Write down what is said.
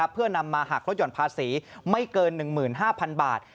เพื่อนำมาหักลดหย่อนภาษีไม่เกิน๑๕๐๐๐บาท